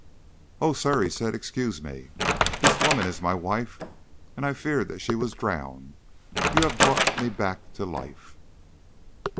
"Oh, sir," he said, "excuse me. This woman is my wife, and I feared that she was drowned. You have brought me back to life."